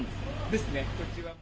ですね。